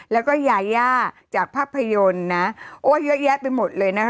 แล้วก็ยายาจากภาพยนตร์นะโอ้เยอะแยะไปหมดเลยนะคะ